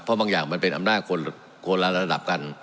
เพราะบางอย่างมันเป็นอำนาจคนละระดับกัน